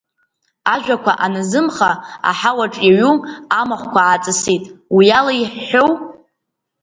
Ажәақәа аназымха, аҳауаҿ иаҩу, амахәқәа ааҵысит, уи ала иҳәҳәоу?